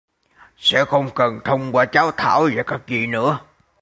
sẽ không cần thông qua cháu Thảo và các vị nữa